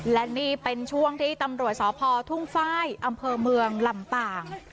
และนี่เป็นช่วงที่ตำรวจสพทุ่งฟ้ายอำเภอเมืองลำปาง